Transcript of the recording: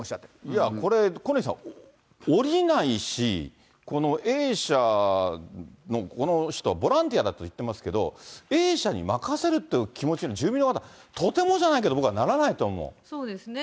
要はこれ、小西さん、下りないし、このＡ社のこの人、ボランティアだと言ってますけど、Ａ社に任せるって気持ちには住民の方、とてもじゃないけど、僕はそうですね。